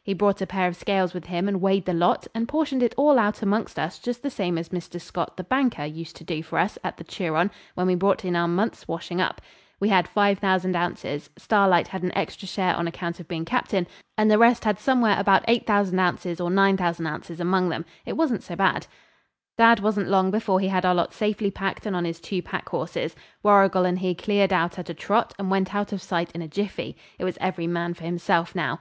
He brought a pair of scales with him and weighed the lot, and portioned it all out amongst us just the same as Mr. Scott, the banker, used to do for us at the Turon when we brought in our month's washing up. We had 5000 oz. Starlight had an extra share on account of being captain, and the rest had somewhere about 8000 oz. or 9000 oz. among them. It wasn't so bad. Dad wasn't long before he had our lot safely packed and on his two pack horses. Warrigal and he cleared out at a trot, and went out of sight in a jiffy. It was every man for himself now.